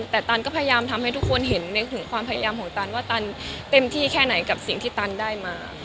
แต่ตันก็พยายามทำให้ทุกคนเห็นนึกถึงความพยายามของตันว่าตันเต็มที่แค่ไหนกับสิ่งที่ตันได้มา